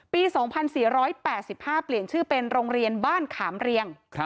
๒๔๘๕เปลี่ยนชื่อเป็นโรงเรียนบ้านขามเรียง